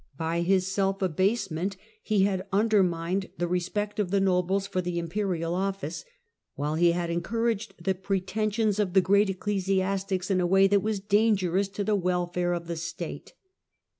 By his self abasement he had under mined the respect of the nobles for the Imperial office, while he had encouraged the pretensions of the great ecclesiastics in a way that was dangerous to the welfare of the State.